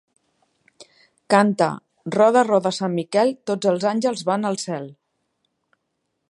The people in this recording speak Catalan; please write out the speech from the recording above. Cante: 'Roda, roda sant Miquel, tots els àngels van al cel.'